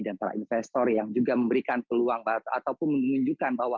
dan para investor yang juga memberikan peluang ataupun menunjukkan bahwa